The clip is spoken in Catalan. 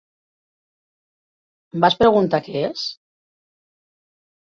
Em vas preguntar que es?